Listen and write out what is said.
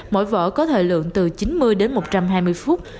mỗi vở có thời lượng từ chín mươi đến một trăm hai mươi phút